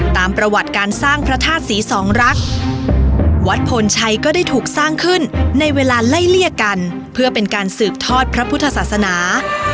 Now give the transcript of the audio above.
ตามประวัติการสร้างพระธาตุศรีสองรักวัดโพนชัยก็ได้ถูกสร้างขึ้นในเวลาไล่เลี่ยกันเพื่อเป็นการสืบทอดพระพุทธศาสนา